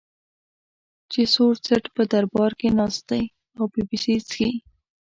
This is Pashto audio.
چې سور څټ په دربار کې ناست دی او پیپسي څښي.